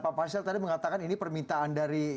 pak faisal tadi mengatakan ini permintaan dari